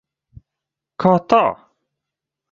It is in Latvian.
Kā tā?